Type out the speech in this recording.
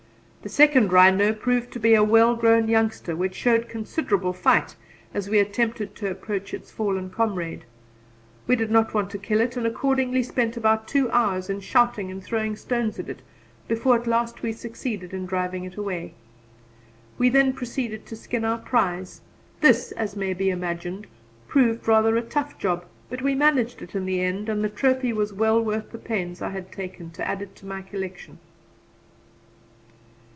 The second rhino proved to be a well grown youngster which showed considerable fight as we attempted to approach its fallen comrade. We did not want to kill it, and accordingly spent about two hours in shouting and throwing stones at it before at last we succeeded in driving it away. We then proceeded to skin our prize; this, as may be imagined, proved rather a tough job, but we managed it in the end, and the trophy was well worth the pains I had taken to add it to my collection.